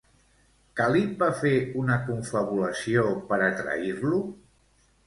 Cal·lip va fer una confabulació per a trair-lo?